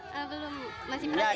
belum masih prajurit